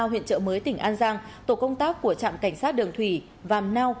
huyện chợ mới tỉnh an giang tổ công tác của trạm cảnh sát đường thủy vàm nau